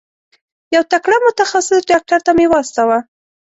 یو تکړه متخصص ډاکټر ته مي واستوه.